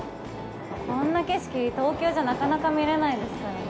こんな景色、東京じゃなかなか見れないですからね。